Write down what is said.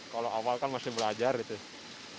kalau awal kan masih belajar gitu sih